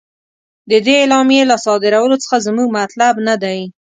د دې اعلامیې له صادرولو څخه زموږ مطلب نه دی.